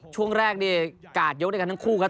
ช่วงแรกนี่กาดยกด้วยกันทั้งคู่ครับ